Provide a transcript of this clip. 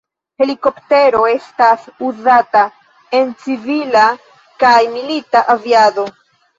Helikoptero estas uzata en civila kaj milita aviado.